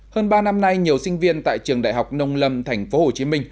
hơn ba năm nay nhiều sinh viên tại trường đại học nông lâm tp hcm